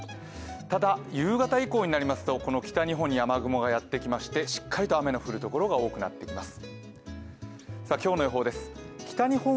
ただ、夕方以降になりますと北日本に雨雲がやってきましてしっかりと雨の降るところが多くなってきます。